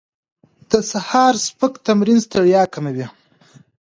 د سهار سپک تمرین ستړیا کموي.